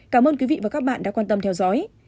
cảm ơn quý vị và các bạn đã quan tâm theo dõi